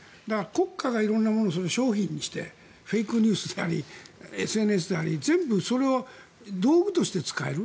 国家が色んなものを商品にしてフェイクニュースなりＳＮＳなり全部、それを道具として使える。